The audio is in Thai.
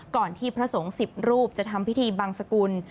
ที่พระสงฆ์๑๐รูปจะทำพิธีบังสกุล